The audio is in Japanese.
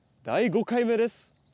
第５回目です。